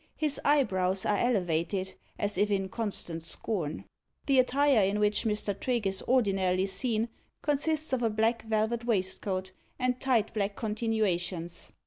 His eyebrows are elevated, as if in constant scorn. The attire in which Mr. Trigge is ordinarily seen, consists of a black velvet waistcoat, and tight black continuations.